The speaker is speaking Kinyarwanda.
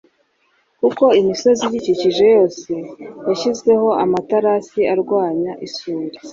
kuko imisozi igikikije yose yashyizweho amaterasi arwanya isuri. Si